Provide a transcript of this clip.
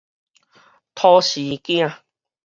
土生囝